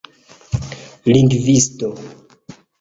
lingvisto